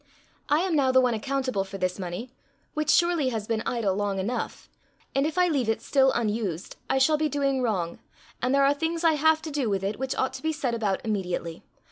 I am now the one accountable for this money, which surely has been idle long enough, and if I leave it still unused, I shall be doing wrong, and there are things I have to do with it which ought to be set about immediately.